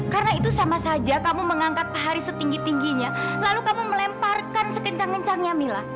karena itu sama saja kamu mengangkat pak haris setinggi tingginya lalu kamu melemparkan sekencang kencangnya mila